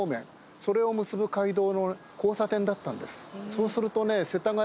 そうするとね。